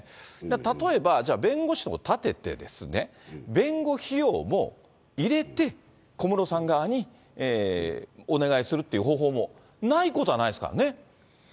例えば、じゃあ弁護士を立ててですね、弁護費用も入れて、小室さん側にお願いするっていう方法もないことはないですからね。